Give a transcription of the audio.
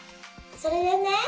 それでね